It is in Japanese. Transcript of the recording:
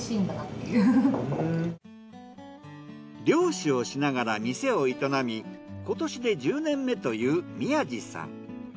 漁師をしながら店を営み今年で１０年目という宮地さん。